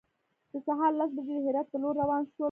د سهار لس بجې د هرات په لور روان شولو.